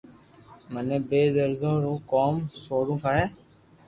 مني بي درزو رون ڪوم سوڙووو ھي